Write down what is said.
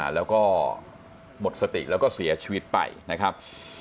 แล้วก็หมดสติแล้วก็เสียชีวิตไปนะครับ